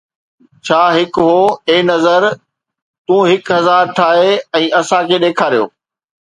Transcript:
ڇا هڪ هو، اي نظر، تو هڪ هزار ٺاهي ۽ اسان کي ڏيکاريو